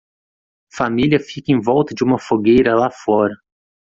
Família fica em volta de uma fogueira lá fora.